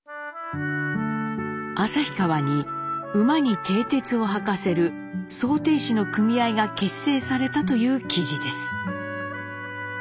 旭川に馬にてい鉄を履かせる装てい師の組合が結成されたという記事です。